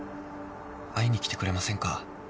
会いに来てくれませんか？